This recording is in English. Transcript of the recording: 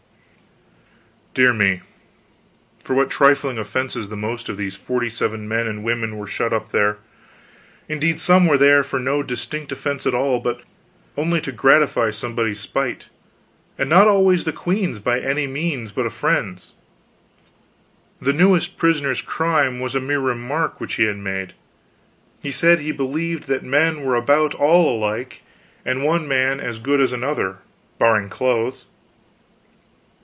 Dear me, for what trifling offenses the most of those forty seven men and women were shut up there! Indeed, some were there for no distinct offense at all, but only to gratify somebody's spite; and not always the queen's by any means, but a friend's. The newest prisoner's crime was a mere remark which he had made. He said he believed that men were about all alike, and one man as good as another, barring clothes.